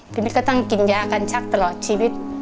ทีนี้ก็ต้องกินยากันชักตลอดชีวิต